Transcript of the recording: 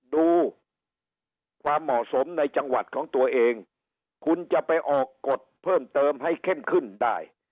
ดูความเหมาะสมในจังหวัดของตัวเองคุณจะไปออกกฎเพิ่มเติมให้เข้มขึ้นได้